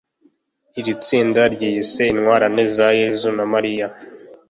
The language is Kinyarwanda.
iri tsinda ryiyise intwarane za yezu na maria